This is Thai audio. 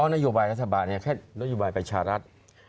นโยบายรัฐบาลแค่นโยบายประชารัฐ